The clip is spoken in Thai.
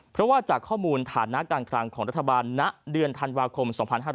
เพราะว่าจากข้อมูลฐานะการคลังของรัฐบาลณเดือนธันวาคม๒๕๕๙